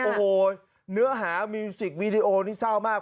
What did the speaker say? โอ้โหเนื้อหามิวสิกวีดีโอนี่เศร้ามาก